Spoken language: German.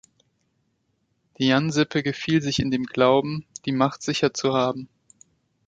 Die Yan-Sippe gefiel sich in dem Glauben, die Macht sicher zu haben.